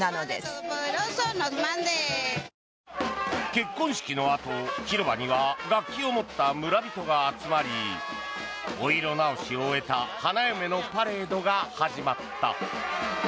結婚式のあと、広場には楽器を持った村人が集まりお色直しを終えた花嫁のパレードが始まった。